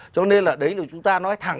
cho nên là đấy là chúng ta nói thẳng